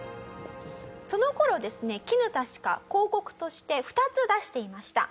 その頃ですねきぬた歯科広告として２つ出していました。